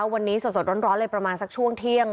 วันนี้สดร้อนเลยประมาณสักช่วงเที่ยง